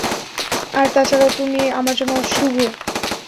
আর তাছাড়াও, তুমি আমার জন্য শুভ।